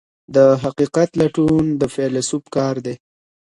د حقیقت لټون د فیلسوف کار دی.